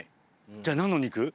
じゃあ何の肉？